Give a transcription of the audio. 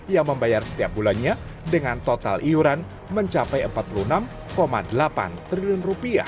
yang membayar setiap bulannya dengan total iuran mencapai rp empat puluh enam delapan triliun